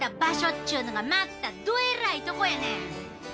っちゅうのがまた、どえらいとこやねん！